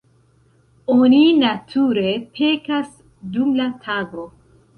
Oni, nature, pekas dum la tago.